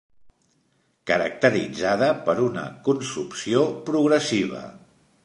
Caracteritzada per una consumpció progressiva.